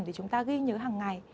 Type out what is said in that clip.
để chúng ta ghi nhớ hằng ngày